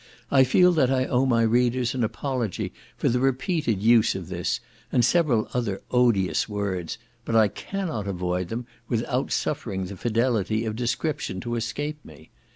I feel that I owe my readers an apology for the repeated use of this, and several other odious words; but I cannot avoid them, without suffering the fidelity of description to escape me.